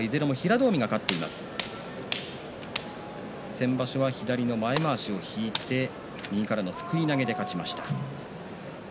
先場所は左の前まわしを引いて右からのすくい投げで勝ちました。